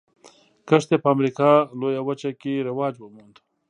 کښت یې په امریکا لویه وچه کې رواج وموند.